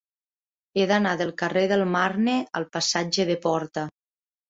He d'anar del carrer del Marne al passatge de Porta.